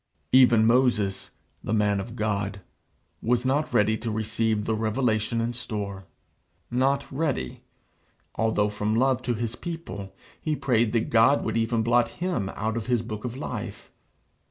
Even Moses, the man of God, was not ready to receive the revelation in store; not ready, although from love to his people he prayed that God would even blot him out of his book of life.